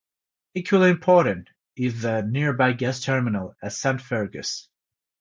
Equally important is the nearby gas terminal at Saint Fergus.